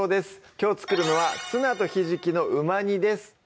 きょう作るのは「ツナとひじきのうま煮」です